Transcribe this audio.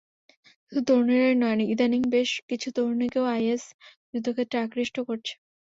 শুধু তরুণেরাই নন, ইদানীং বেশ কিছু তরুণীকেও আইএস যুদ্ধক্ষেত্রে আকৃষ্ট করছে।